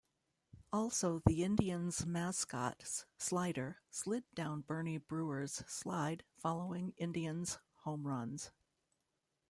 Also, the Indians' mascot Slider slid down Bernie Brewer's slide following Indians home runs.